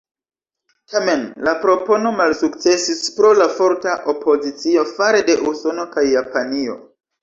Tamen, la propono malsukcesis pro la forta opozicio fare de Usono kaj Japanio.